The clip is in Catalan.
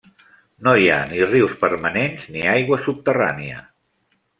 No hi ha ni rius permanents ni aigua subterrània.